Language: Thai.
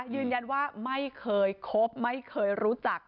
ยืนยันว่าไม่เคยคบไม่เคยรู้จัก